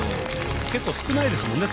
結構少ないですもんね